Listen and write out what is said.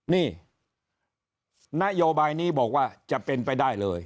นี่นโยบายนี้บอกว่าจะเป็นไปได้เลย